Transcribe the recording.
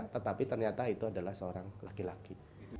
tetapi ternyata itu adalah seorang laki laki